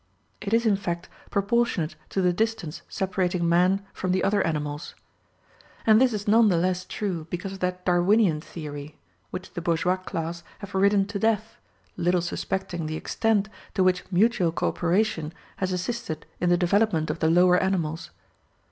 It is in fact proportionate to the distance separating man from the other animals. And this is none the less true because of that Darwinian theory, which the bourgeois class have ridden to death, little suspecting the extent to which mutual co operation has assisted in the development of the lower animals.